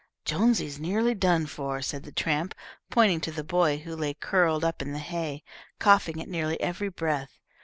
"Jonesy's nearly done for," said the tramp, pointing to the boy who lay curled up in the hay, coughing at nearly every breath.